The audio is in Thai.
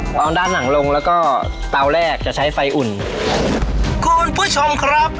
พอเอาด้านหลังลงแล้วก็เตาแรกจะใช้ไฟอุ่นคุณผู้ชมครับ